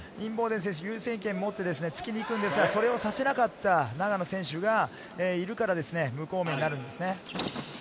優先権を持って突きに行くんですが、それをさせなかった永野選手がいるから、無効面になるんです。